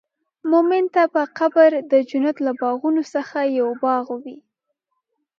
مؤمن ته به قبر د جنت له باغونو څخه یو باغ وي.